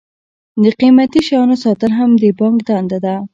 د قیمتي شیانو ساتل هم د بانک دنده ده.